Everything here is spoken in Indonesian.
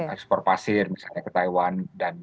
ekspor pasir misalnya ke taiwan dan